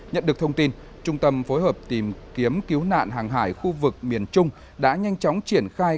nhận được thông tin trung tâm phối hợp tìm kiếm cứu nạn hàng hải khu vực miền trung đã nhanh chóng triển khai